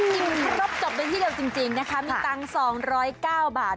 ครบจบในที่เดียวจริงนะคะมีตังค์๒๐๙บาท